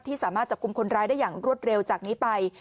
สามารถจับกลุ่มคนร้ายได้อย่างรวดเร็วจากนี้ไป